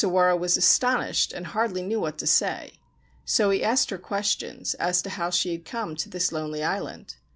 Sawara was astonished, and hardly knew what to say : so he asked her questions as to how she had come to this lonely island.